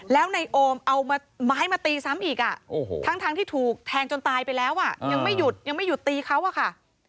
แล้วในโอมเอาไม้มาตีซ้ำอีกทั้งที่ถูกแทงจนตายไปแล้วยังไม่หยุดตีเขาค่ะ